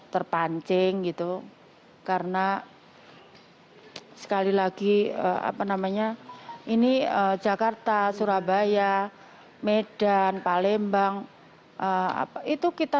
terpancing gitu karena sekali lagi apa namanya ini jakarta surabaya medan palembang apa itu kita